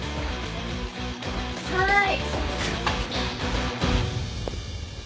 はい。